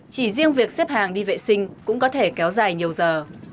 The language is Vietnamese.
chỉ riêng việc xếp hàng đi vệ sinh cũng có thể kéo dài nhiều giờ